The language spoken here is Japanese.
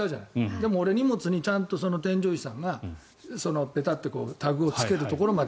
でも、俺は荷物に添乗員さんがペタッとタグをつけるところまで。